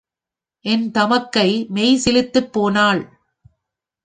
என் தமக்கை மெய்சிலிர்த்துப் போனாள்.